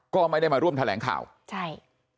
ก็ไม่ได้มาร่วมแถลงข่าวใช่